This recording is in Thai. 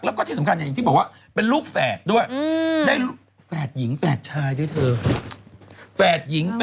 แล้วก็ที่สำคัญอย่างที่บอกว่าเป็นลูกแฝดด้วยได้แฝดหญิงแฝดชายด้วยเธอ